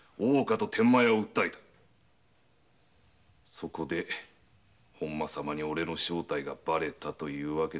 そこで本間様に俺の正体がばれたという訳だ。